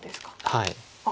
はい。